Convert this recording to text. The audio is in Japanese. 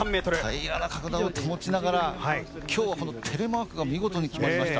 平らな角度を保ちながら今日は、このテレマークが見事に決まりました。